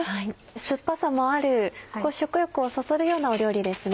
酸っぱさもある食欲をそそるような料理ですね。